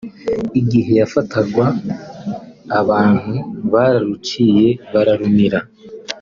” Igihe yafatwaga abantu bararuciye bararumira